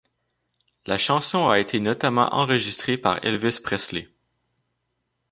La chanson a été notamment enregistrée par Elvis Presley.